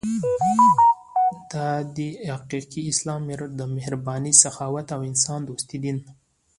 دا دی حقیقي اسلام د مهربانۍ، سخاوت او انسان دوستۍ دین.